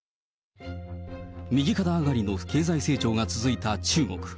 右肩上がりの経済成長が続いた中国。